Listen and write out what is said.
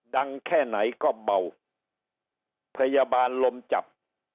แค่ไหนก็เบาพยาบาลลมจับ